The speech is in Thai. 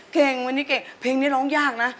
เก่งวันนี้เก่งเพลงนี้ร้องยากนะ